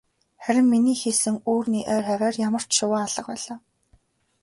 Харин миний хийсэн үүрний ойр хавиар ямарч шувуу алга байлаа.